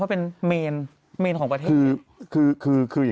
ว่าเป็นของกระเทศ